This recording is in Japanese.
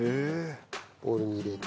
ボウルに入れて。